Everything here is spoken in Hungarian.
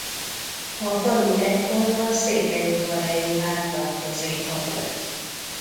A falu ekkor a székelyudvarhelyi vár tartozéka volt.